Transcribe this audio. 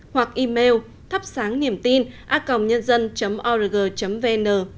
hoặc email thắpsángniềmtina org vn